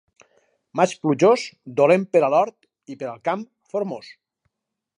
Maig plujós, dolent per a l'hort, i per al camp, formós.